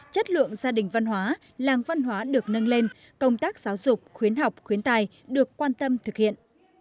chất lượng gia đình văn hóa làng văn hóa được nâng lên công tác giáo dục khuyến học khuyến tài được quan tâm thực hiện